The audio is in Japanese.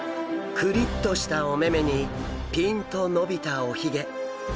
クリッとしたお目々にピンと伸びたおヒゲ。